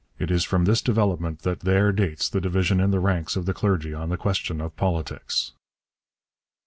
It is from this development that there dates the division in the ranks of the clergy on the question of politics.'